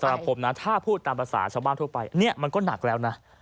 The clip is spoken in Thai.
สำหรับผมนะถ้าพูดตามภาษาชาวบ้านทั่วไปเนี่ยมันก็หนักแล้วนะ